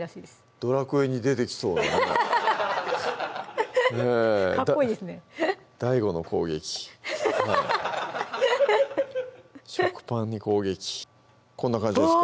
「ドラクエ」に出てきそうなねかっこいいですねＤＡＩＧＯの攻撃食パンに攻撃こんな感じですか